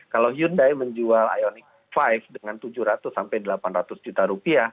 kalau hyundai menjual ioniq lima dengan rp tujuh ratus sampai rp delapan ratus